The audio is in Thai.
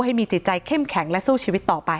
ประสงสามรูปนะคะนำสายสีขาวผูกข้อมือให้กับพ่อแม่ของน้องชมพู่